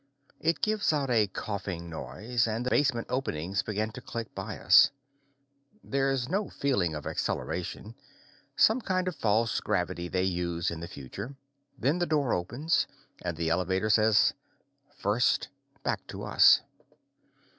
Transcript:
It gives out a coughing noise and the basement openings begin to click by us. There's no feeling of acceleration some kind of false gravity they use in the future. Then the door opens, and the elevator says "first" back at us.